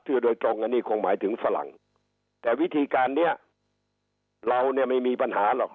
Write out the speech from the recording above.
โดยตรงอันนี้คงหมายถึงฝรั่งแต่วิธีการเนี้ยเราเนี่ยไม่มีปัญหาหรอก